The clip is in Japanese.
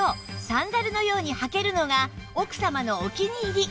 サンダルのように履けるのが奥様のお気に入り！